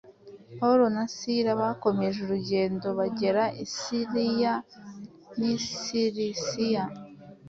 Pawulo na Sila bakomeje urugendo bagera i Siriya n’i Silisiya